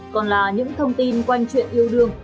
còn là những thông tin quanh chuyện yêu đương